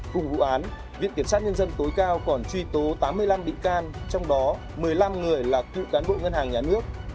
cùng vụ án viện kiểm sát nhân dân tối cao còn truy tố tám mươi năm bị can trong đó một mươi năm người là cựu cán bộ ngân hàng nhà nước